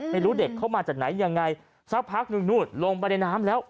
ไม่รู้เด็กเข้ามาจากไหนยังไงสักพักนึกนูดลงไปในน้ำแล้ว